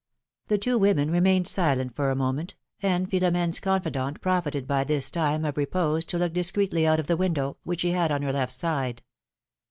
The two women remained silent for a moment, and Philom^ne's confidante profited by this time of repose to look discreetly out of the window, which she had on her left hand side.